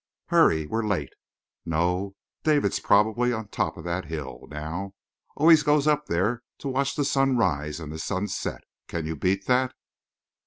"Hurry! We're late!" "No, David's probably on top of that hill, now; always goes up there to watch the sun rise and the sun set. Can you beat that?"